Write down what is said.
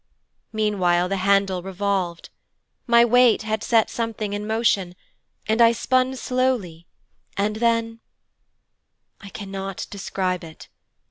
Meanwhile the handle revolved. My weight had set something in motion and I span slowly, and then 'I cannot describe it.